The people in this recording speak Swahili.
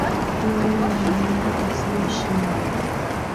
Kuwa wewe ni Mungu usiyeshindwa